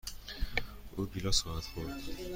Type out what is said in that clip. او گیلاس خواهد خورد.